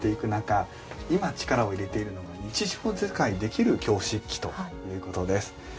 今力を入れているのが日常使いできる京漆器ということです。